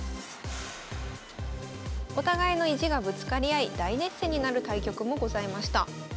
お互いの意地がぶつかり合い大熱戦になる対局もございました。